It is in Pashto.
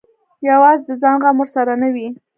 یوازې د ځان غم ورسره نه وي.